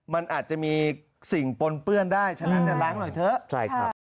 มันอาจจะมีสิ่งปนเปื้อนได้ฉะนั้นล้างหน่อยเถอะใช่ครับ